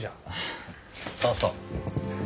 あそうそう。